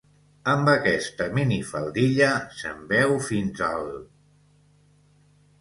Amb aquesta minifaldilla se'm veu fins a l'